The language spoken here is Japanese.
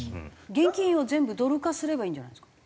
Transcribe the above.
現金を全部ドル化すればいいんじゃないですか？